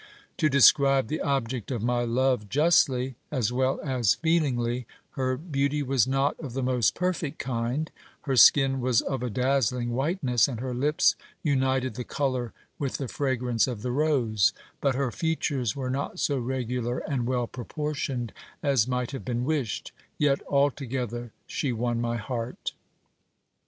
To describe the object of my love justly, as well as feel ingly, her beauty was not of the most perfect kind : her skin was of a dazzling whiteness, and her lips united the colour with the fragrance of the rose ; but her features were not so regular and well proportioned as might have been wished : yet, altogether, she won my heart.